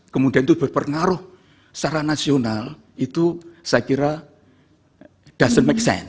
kemudian itu berpengaruh secara nasional itu saya kira tidak masuk akal